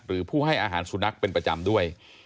ผู้ให้อาหารสุนัขเป็นประจำด้วย